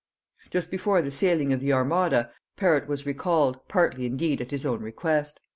Just before the sailing of the armada, Perrot was recalled, partly indeed at his own request.